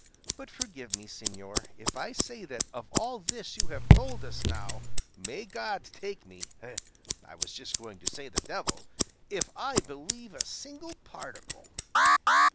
But forgive me, señor, if I say that of all this you have told us now, may God take me I was just going to say the devil if I believe a single particle."